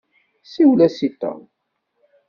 Siwel-as i Tom.